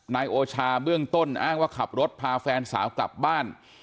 นายโอชาเบื้องต้นอ้างว่าขับรถพาแฟนสาวกลับบ้าน